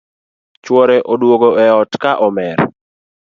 Chuore oduogo e ot ka omer